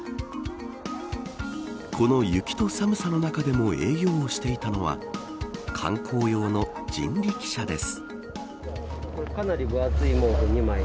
この雪と寒さの中でも営業していたのは観光用の人力車です。